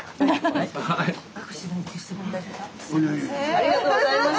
ありがとうございます。